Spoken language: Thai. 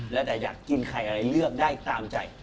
แล้วแต่อยากกินไข่อะไรเลือกได้ตามใจ